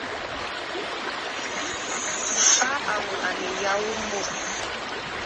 Fa aŋwàʼànə̀ ya ghu mbô.